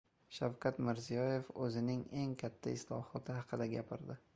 Shavkat Mirziyoyev o‘zining eng katta islohoti haqida gapirdi